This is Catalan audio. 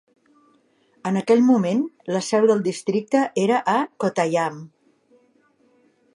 En aquell moment, la seu del districte era a Kottayam.